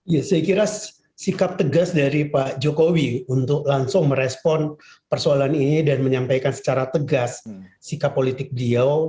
ya saya kira sikap tegas dari pak jokowi untuk langsung merespon persoalan ini dan menyampaikan secara tegas sikap politik beliau